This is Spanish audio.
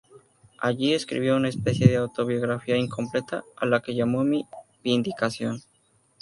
Allí escribió una especie de autobiografía incompleta, a la que llamó "Mi Vindicación".